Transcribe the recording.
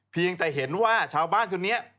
เพียงแต่เห็นว่าชาวบ้านคนนี้